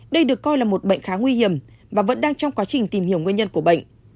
đây được coi là một bệnh khá nguy hiểm và vẫn đang trong quá trình tìm hiểu nguyên nhân của bệnh